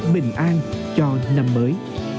bình an cho năm mới